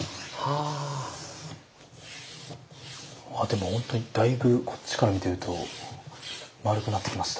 あでもほんとにだいぶこっちから見ていると丸くなってきました。